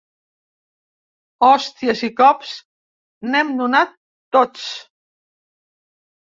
Hòsties i cops n’hem donat tots.